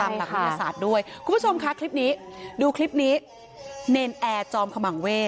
ไม่ได้เรียกปู่ไม่ได้เรียกร้องอะไรเลย